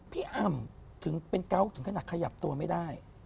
อ่ำถึงเป็นเกาะถึงขนาดขยับตัวไม่ได้